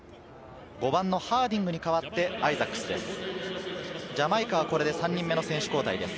５番のハーディングに代わってアイザックスです。